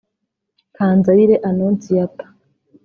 Kanzayire Anonsiyata